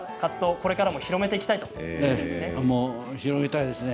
これからも広めていきたいということですね。